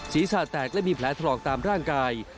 ศีรษะแตกและมีแผลถลอกตามร่างกาย